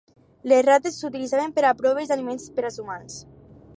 Les rates s'utilitzaven per a proves d"aliments per als humans.